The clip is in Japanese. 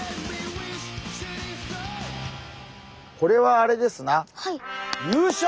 これはあれですな優勝！